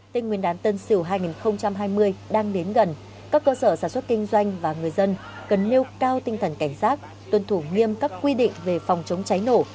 tên nguyên đán tân sửu hai nghìn hai mươi đang đến gần các cơ sở sản xuất kinh doanh và người dân cần nêu cao tinh thần cảnh giác tuân thủ nghiêm các quy định về phòng chống cháy nổ